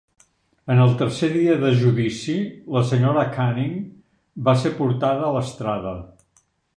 En el tercer dia de judici, la Sra. Canning va ser portada a l'estrada.